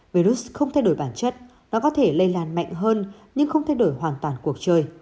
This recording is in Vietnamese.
virus không thay đổi bản chất nó có thể lây lan mạnh hơn nhưng không thay đổi hoàn toàn cuộc chơi